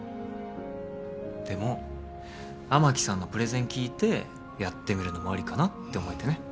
でも雨樹さんのプレゼン聞いてやってみるのもありかなって思えてね。